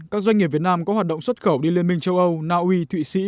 các doanh nghiệp việt nam có hoạt động xuất khẩu đi liên minh châu âu naui thụy sĩ